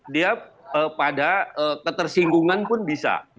dia pada ketersinggungan pun bisa